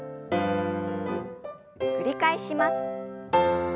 繰り返します。